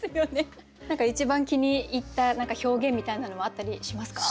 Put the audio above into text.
何か一番気に入った表現みたいなのはあったりしますか？